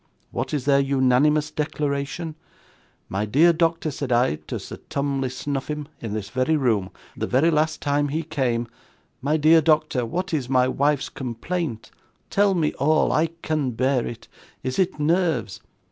What is their unanimous declaration? "My dear doctor," said I to Sir Tumley Snuffim, in this very room, the very last time he came. "My dear doctor, what is my wife's complaint? Tell me all. I can bear it. Is it nerves?"